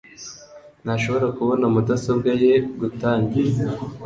ntashobora kubona mudasobwa ye gutangira